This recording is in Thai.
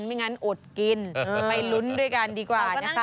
ไม่งั้นอดกินไปลุ้นด้วยกันดีกว่านะคะ